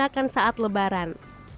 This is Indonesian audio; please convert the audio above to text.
yang digunakan saat lebaran